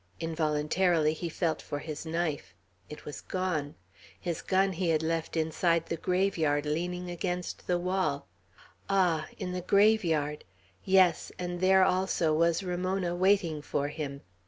Involuntarily he felt for his knife. It was gone. His gun he had left inside the graveyard, leaning against the wall. Ah! in the graveyard! Yes, and there also was Ramona waiting for him.